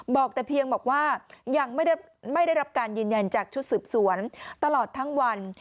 บอกแต่เพียงบอกว่ายังไม่ได้รับการยืนยันจากชุดสืบสวนตลอดทั้งวัน